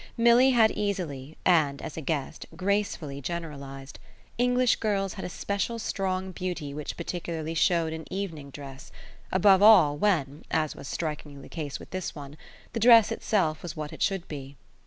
Milly had easily and, as a guest, gracefully generalised: English girls had a special strong beauty which particularly showed in evening dress above all when, as was strikingly the case with this one, the dress itself was what it should be.